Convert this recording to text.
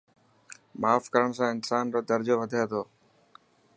ماف ڪرڻ سان انسان رو درجو وڌي ٿو.